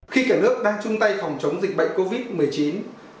khi cả nước đang chung tay phòng chống dịch bệnh covid một mươi chín